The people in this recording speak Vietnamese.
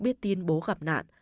biết tin bố gặp nạn